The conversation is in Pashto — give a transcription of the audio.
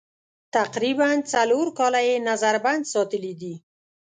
تقریباً څلور کاله یې نظر بند ساتلي دي.